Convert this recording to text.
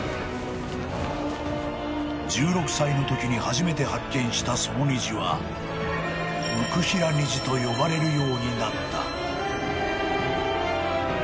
［１６歳のときに初めて発見したその虹は椋平虹と呼ばれるようになった］